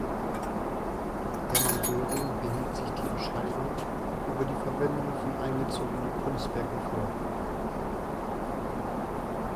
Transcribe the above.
Hermann Göring behielt sich die Entscheidung über die Verwendung von eingezogenen Kunstwerken vor.